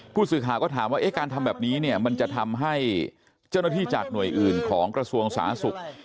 ผู้สื่อข่าวก็ถามว่าการทำแบบนี้เนี่ยมันจะทำให้เจ้าหน้าที่จากหน่วยอื่นของกระทรวงสาธารณสุข